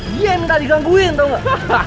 dia yang minta digaguin tau nggak